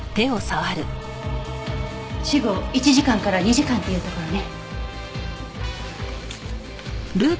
死後１時間から２時間というところね。